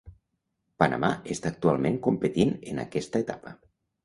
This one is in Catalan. Panamà està actualment competint en aquesta etapa.